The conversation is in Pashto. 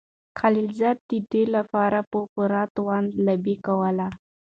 خلیلزاد د دوی لپاره په پوره توان لابي کوله.